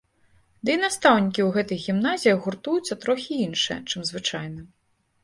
Дый настаўнікі ў гэтых гімназіях гуртуюцца трохі іншыя, чым звычайна.